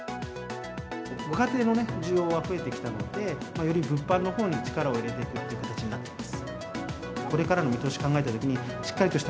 ご家庭の需要は増えてきたので、より物販のほうに力を入れていくという形になっています。